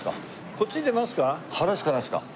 こっち出ますか？